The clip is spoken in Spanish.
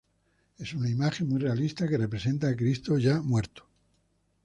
Es una imagen muy realista que representa a Cristo ya muerto.